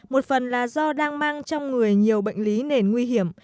một phần là do đang mang trong người nhiều bệnh lý nền nguy hiểm